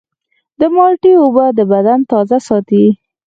د مالټې اوبه د بدن تازه ساتي.